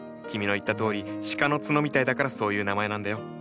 君の言ったとおり鹿の角みたいだからそういう名前なんだよ。